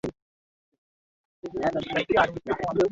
Tukisema sita akija akute kuna sita